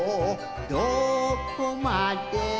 どこまでも」